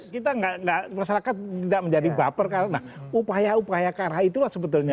kita masyarakat tidak menjadi baper karena upaya upaya ke arah itulah sebetulnya